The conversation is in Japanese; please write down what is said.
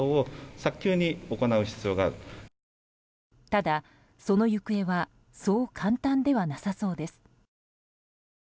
ただ、その行方はそう簡単ではなさそうです。